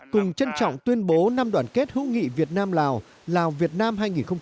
cùng trân trọng tuyên bố năm đoàn kết hữu nghị việt nam lào lào việt nam hai nghìn một mươi chín